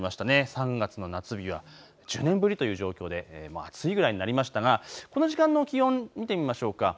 ３月の夏日は１０年ぶりという状況で暑いぐらいになりましたがこの時間の気温見てみましょうか。